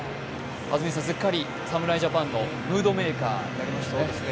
すっかり侍ジャパンのムードメーカーとなりましたよね。